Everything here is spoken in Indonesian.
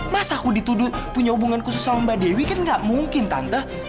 mas aku dituduh punya hubungan khusus sama mbak dewi kan gak mungkin tante